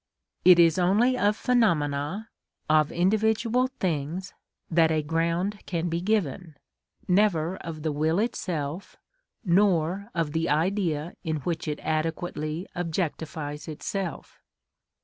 It is only of phenomena, of individual things, that a ground can be given, never of the will itself, nor of the Idea in which it adequately objectifies itself.